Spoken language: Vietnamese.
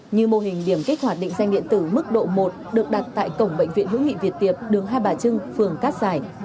như mô hình điểm kích hoạt định danh điện tử mức độ một được đặt tại cổng bệnh viện hữu nghị việt tiệp đường hai bà trưng phường cát giải